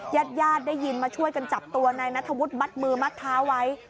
ญาติญาติได้ยินมาช่วยกันจับตัวนายนัทธวุฒิมัดมือมัดเท้าไว้